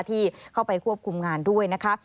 ที่เข้าไปควบคุมงานด้วยนะคะ